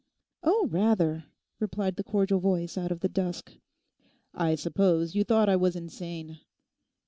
'Oh, rather,' replied the cordial voice out of the dusk. 'I suppose you thought I was insane?